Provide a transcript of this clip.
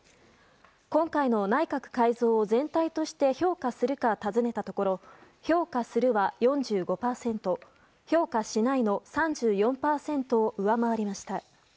今回の内閣改造を全体として評価するか尋ねたところ評価するは４５％評価しないの３４％を上回りました。